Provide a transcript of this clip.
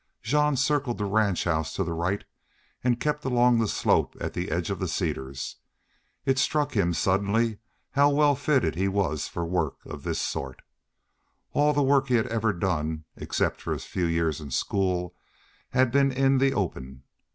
Jean circled the ranch house to the right and kept along the slope at the edge of the cedars. It struck him suddenly how well fitted he was for work of this sort. All the work he had ever done, except for his few years in school, had been in the open.